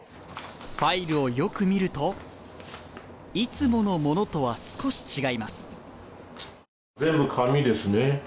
ファイルをよく見ると、いつものものとは少し違います。